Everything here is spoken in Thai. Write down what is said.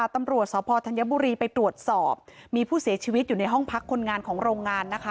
ตำรวจสพธัญบุรีไปตรวจสอบมีผู้เสียชีวิตอยู่ในห้องพักคนงานของโรงงานนะคะ